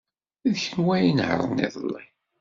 D kenwi ay inehṛen iḍelli.